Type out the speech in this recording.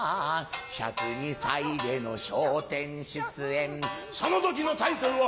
１０２歳での『笑点』出演その時のタイトルは